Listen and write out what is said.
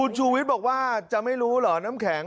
ชูวิทย์บอกว่าจะไม่รู้เหรอน้ำแข็ง